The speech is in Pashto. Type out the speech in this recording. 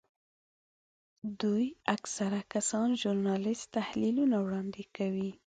دوی اکثره کسان ژورنالیستیک تحلیلونه وړاندې کوي.